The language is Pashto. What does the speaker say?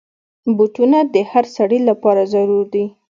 بوټونه د هر سړي لپاره ضرور دي.